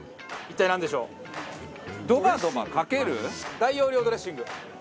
大容量ドレッシング。